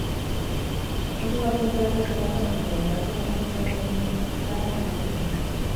Kasu bakoitzerako izendatuak ziren, eta ez zen magistratura iraunkor bat.